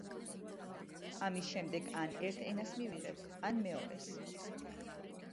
ამის შემდეგ ან ერთ ენას მივიღებთ ან მეორეს.